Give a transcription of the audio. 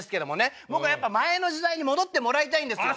僕はやっぱ前の時代に戻ってもらいたいんですよ。